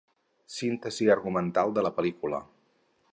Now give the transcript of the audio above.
Síntesi argumental de la pel·lícula.